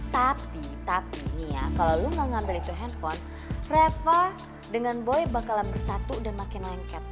tapi tapi nih ya kalau lo enggak ngambil itu hp reva dengan boy bakal bersatu dan makin lengket